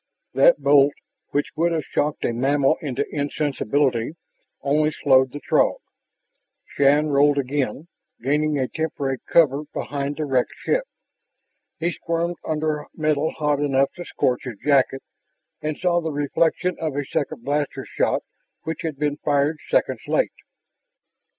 That bolt, which would have shocked a mammal into insensibility, only slowed the Throg. Shann rolled again, gaining a temporary cover behind the wrecked ship. He squirmed under metal hot enough to scorch his jacket and saw the reflection of a second blaster shot which had been fired seconds late.